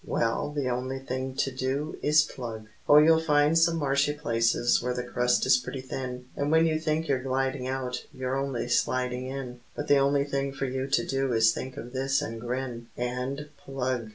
Well, the only thing to do Is plug. Oh, you'll find some marshy places, where the crust is pretty thin, And when you think you're gliding out, you're only sliding in, But the only thing for you to do is think of this and grin, And plug.